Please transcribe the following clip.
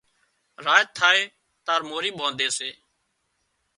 راچ ٿائي تار مورِي ٻانڌي سي